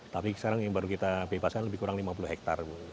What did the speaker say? tapi sekarang yang baru kita bebaskan lebih kurang lima puluh hektare